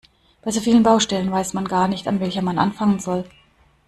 Bei so vielen Baustellen weiß man gar nicht, an welcher man anfangen soll.